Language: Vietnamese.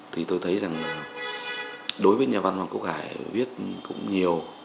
thì tôi thấy rằng là đối với nhà văn hoàng quốc hải viết cũng nhiều